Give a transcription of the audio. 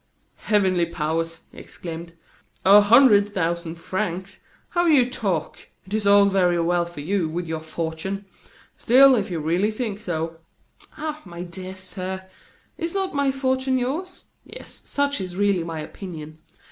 "Heavenly powers!" he exclaimed; "a hundred thousand francs! how you talk! It is all very well for you, with your fortune! Still, if you really think so " "Ah! my dear sir, is not my fortune yours? Yes, such is really my opinion.